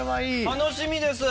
楽しみです。